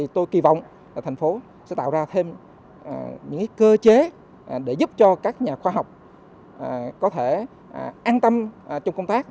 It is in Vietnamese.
tôi kỳ vọng thành phố sẽ tạo ra thêm những cơ chế để giúp cho các nhà khoa học có thể an tâm trong công tác